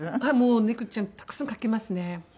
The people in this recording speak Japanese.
猫ちゃんたくさん描きますね。